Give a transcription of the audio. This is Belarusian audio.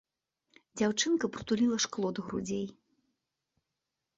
Дзяўчынка прытуліла шкло да грудзей.